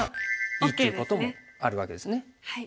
いいということもあるわけですね。